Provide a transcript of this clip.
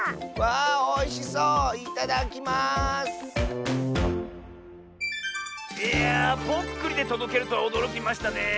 いやぽっくりでとどけるとはおどろきましたねえ。